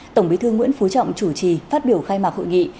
tổng bí thư nguyễn phú trọng chủ trì phát biểu khai mạc hội nghị